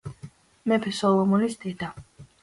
მეფე სოლომონის დედა.